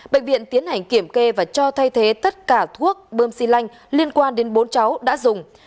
bệnh viện tiến hành kiểm kê và cho thay thế tất cả thuốc bơm xi lanh liên quan đến bốn cháu đã dùng